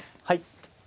はい。